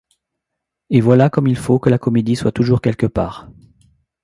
Et voilà comme il faut que la comédie soit toujours quelque part !